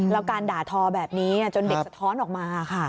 แล้วการด่าทอแบบนี้จนเด็กสะท้อนออกมาค่ะ